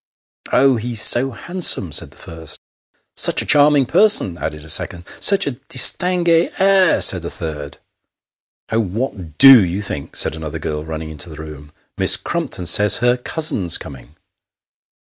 Oh ! he's so handsome," said the first. " Such a charming person !" added a second. " Such a distingue air !" said a third. "Oh, what do you think?" said another girl, running into the room ;" Miss Crumpton says her cousin's coming."